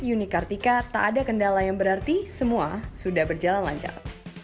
yuni kartika tak ada kendala yang berarti semua sudah berjalan lancar